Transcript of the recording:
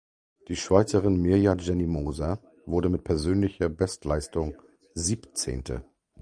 Die Schweizerin Mirja Jenni-Moser wurde mit persönlicher Bestleistung Siebzehnte.